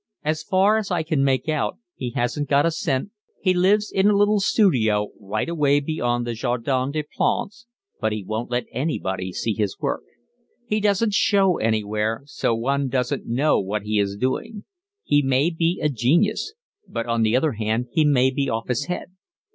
As far as I can make out he hasn't got a cent, he lives in a little studio right away beyond the Jardin des Plantes, but he won't let anybody see his work. He doesn't show anywhere, so one doesn't know what he is doing. He may be a genius, but on the other hand he may be off his head.